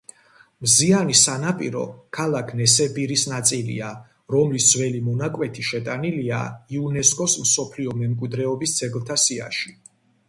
მზიანი სანაპირო ქალაქ ნესებირის ნაწილია, რომლის ძველი მონაკვეთი შეტანილია იუნესკოს მსოფლიო მემკვიდრეობის ძეგლთა სიაში.